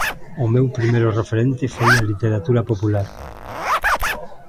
O meu primeiro referente foi a literatura popular.